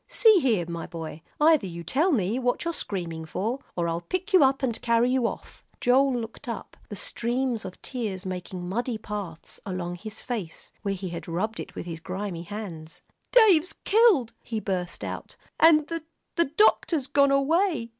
"See here, my boy, either you tell me what you're screaming for, or I'll pick you up and carry you off." Joel looked up, the streams of tears making muddy paths along his face, where he had rubbed it with his grimy hands. "Dave's killed," he burst out, "and the the doctor's gone away!"